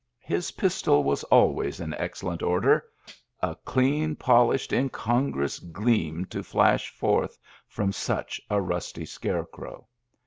His pistol was always in excellent order, a clean pol ished, incongruous gleam to flash forth from such a rusty scarecrow.